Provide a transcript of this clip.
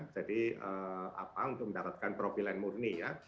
jadi untuk mendapatkan profilen murni ya